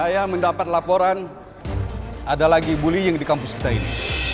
saya mendapat laporan ada lagi bullying di kampus kita ini